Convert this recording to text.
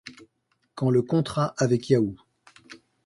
Quand le contrat avec Yahoo!